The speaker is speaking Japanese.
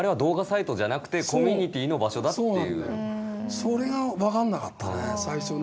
それが分かんなかったね